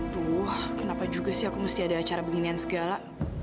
tuh kenapa juga sih aku mesti ada acara beginian segala